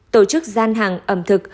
tổ chức gian hàng ẩm thực